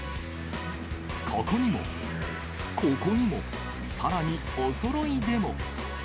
ここにも、ここにも、さらにおそろいでも。